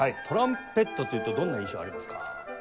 トランペットっていうとどんな印象ありますか？